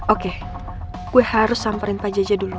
oke gue harus samperin pak jajah duluan